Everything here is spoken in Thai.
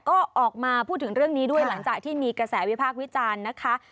ก็ออกมาพูดถึงเรื่องนี้ด้วยหลังจากที่มีกระแสวิพากษ์วิจารณ์นะคะ